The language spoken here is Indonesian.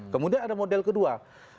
kemudian ada model kedua